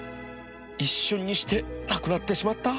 一瞬にしてなくなってしまった